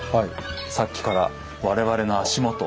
さっきから我々の足元。